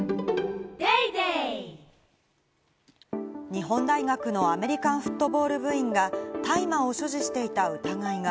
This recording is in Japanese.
日本大学のアメリカンフットボール部員が大麻を所持していた疑いが。